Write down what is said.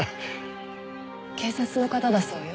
警察の方だそうよ。